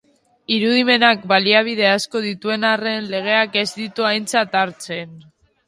Irudimenak baliabide asko dituen arren, legeak ez ditu aintzat hartzen.